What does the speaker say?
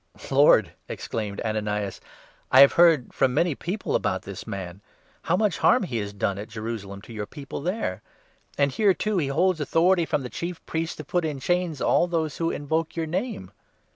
" Lord," exclaimed Ananias, " I have heard from many 13 people about this man — how much harm he has done at Jerusalem to your People there. And, here, too, he holds 14 authority from the Chief Priests to put in chains all those who invoke your Name."